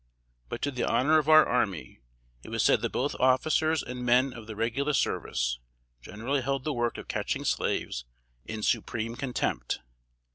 But to the honor of our army, it was said that both officers and men of the regular service, generally held the work of catching slaves in supreme contempt.